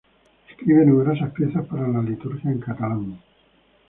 Escribe numerosas piezas para la liturgia en catalán.